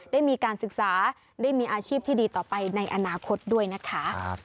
ได้มีการศึกษาได้มีอาชีพที่ดีต่อไปในอนาคตด้วยนะคะ